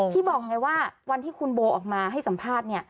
บอกไงว่าวันที่คุณโบออกมาให้สัมภาษณ์